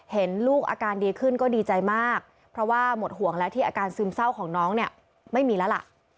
เห็นลูกอาการดีขึ้นก็ดีใจมากเพราะว่าหมดห่วงแล้วที่อาการซึมเศร้าของน้องเนี่ยไม่มีแล้วล่ะ